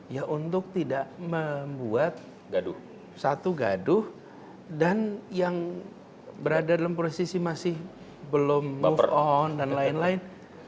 ya untuk tidak membuat satu gaduh dan yang berada dalam posisi masih belum move on dan lain lain